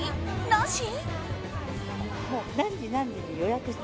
なし？